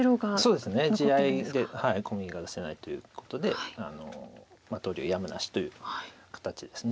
そうですね地合いでコミが出せないということで投了やむなしという形です。